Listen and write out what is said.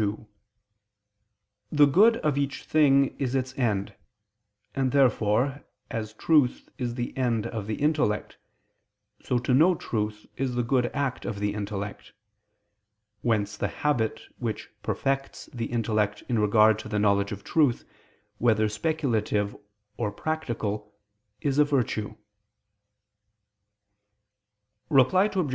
2: The good of each thing is its end: and therefore, as truth is the end of the intellect, so to know truth is the good act of the intellect. Whence the habit, which perfects the intellect in regard to the knowledge of truth, whether speculative or practical, is a virtue. Reply Obj.